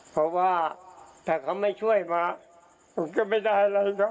เพราะว่าถ้าเขาไม่ช่วยมาผมก็ไม่ได้อะไรครับ